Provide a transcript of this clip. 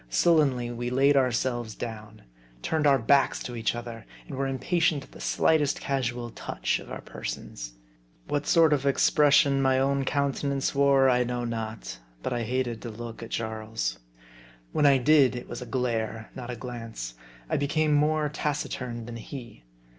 Sul lenly we laid ourselves down ; turned our backs to each other ; and were impatient of the slightest casual touch of our persons. What sort of expression my own counte nance wore, I know not ; but I hated to look at Jarl's. When I did it was a glare, not a glance. I became more taciturn than he.